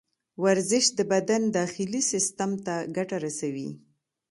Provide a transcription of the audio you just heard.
ورزش د بدن داخلي سیستم ته ګټه رسوي.